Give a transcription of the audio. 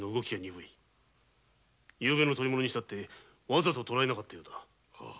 夕べの捕り物にしたってわざと捕らえなかったようだ。